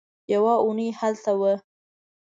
يوه اوونۍ هلته وه.